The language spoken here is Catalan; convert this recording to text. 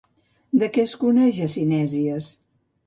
De què es coneix a Cinèsies?